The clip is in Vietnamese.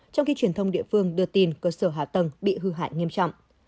trong khi truyền thông địa phương đưa tin cơ sở hạ tầng bị hư hại nghiêm trọng